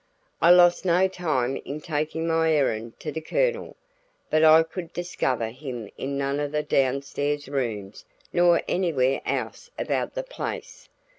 I lost no time in taking my errand to the Colonel, but I could discover him in none of the down stairs rooms nor anywhere else about the place.